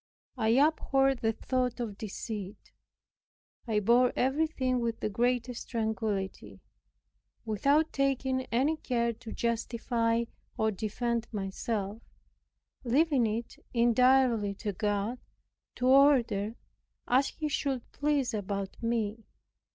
I abhorred the thought of deceit. I bore everything with the greatest tranquillity, without taking any care to justify or defend myself, leaving it entirely to God to order as he should please about me.